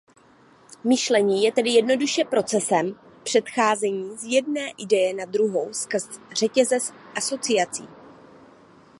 Myšlení je tedy jednodušše procesem předcházení z jedné ideje na druhou skrz řetězec asociací.